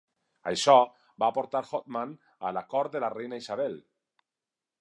Això va portar Hotman a la cort de la reina Isabel.